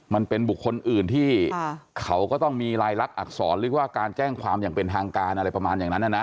มันเป็นบุคคลอื่นที่เขาก็ต้องมีลายลักษณอักษรหรือว่าการแจ้งความอย่างเป็นทางการอะไรประมาณอย่างนั้นนะนะ